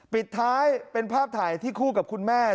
ปิดท้ายเป็นภาพถ่ายที่คู่กับคุณแม่